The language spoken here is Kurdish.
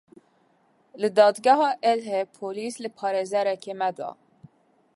Li Dadgeha Êlihê polîs li parêzerekî me da.